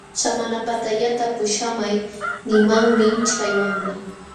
Samanapatallata puśhamay nimanmi chay wamla.